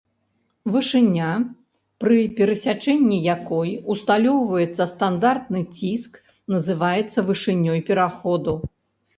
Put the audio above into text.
Вышыня, пры перасячэнні якой усталёўваецца стандартны ціск, называецца вышынёй пераходу.